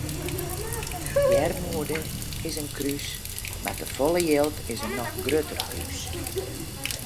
Earmoede is in krús mar te folle jild is in noch grutter krús.